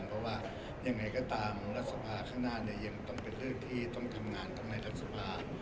เพราะว่ายังไงก็ตามรัฐสภาข้างหน้าเนี่ยยังต้องเป็นเรื่องที่ต้องทำงานต้องในรัฐสภา